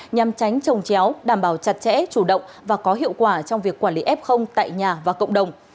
nhằm tránh trồng chéo đảm bảo chặt chẽ chủ động và có hiệu quả trong việc quản lý f tại nhà và cộng đồng